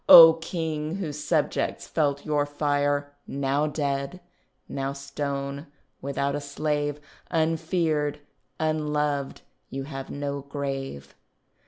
O King, whose subjects felt your fire, Now dead, now stone, without a slave, Unfeared, unloved, you have no grave.